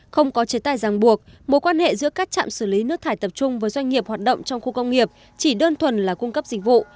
không có chế tài ràng buộc mối quan hệ giữa các trạm xử lý nước thải tập trung với doanh nghiệp hoạt động trong khu công nghiệp chỉ đơn thuần là cung cấp dịch vụ